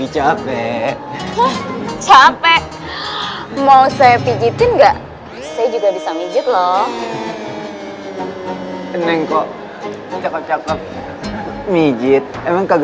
iiih om tunggu saya dong